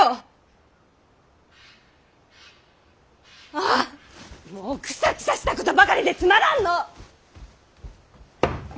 あーもうくさくさしたことばかりでつまらんのぅ。